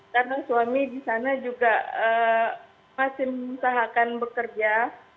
karena suami di sana juga masih mensahakan bekerja